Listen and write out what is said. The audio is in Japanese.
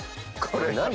これ何？